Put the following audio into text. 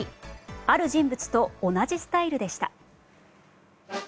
ある人物と同じスタイルでした。